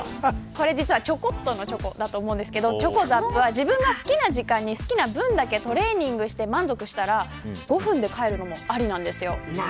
ちょこっとのチョコだと思うんですけど自分が好きな時間に好きな分だけトレーニングして満足したら５分で帰るのも、ありなんです。